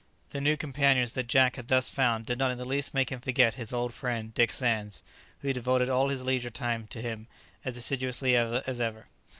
The new companions that Jack had thus found did not in the least make him forget his old friend Dick Sands, who devoted all his leisure time to him as assiduously as ever.